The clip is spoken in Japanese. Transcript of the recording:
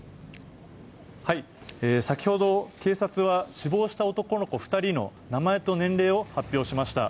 先ほど警察は死亡した男の子の２人の名前と年齢を発表しました。